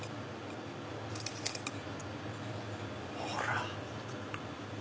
ほら！